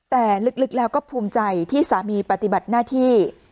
แต่ลึกแล้วก็ภูมิใจที่สามีปฏิบัติหน้าที่